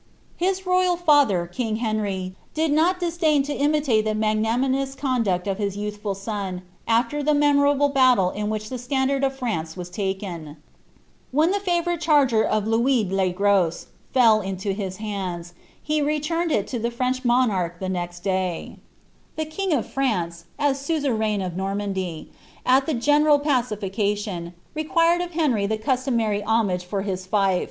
His royal father, king Henry, did not disdain to imitate the inagnaii mous conduct of his youthful son, after the memorable battle in wbidi the standard of Trance ^vas taken: when the favourite charger of I»BiB le Gros fell into his hands, he returned it to ilie Firach monarch the The king of France, as murain of Normandy, at ihe general pacit cation, required of Henry the cusIomHry homage for his feof.